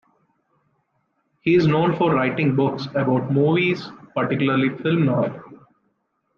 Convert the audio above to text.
He is known for writing books about movies, particularly film noir.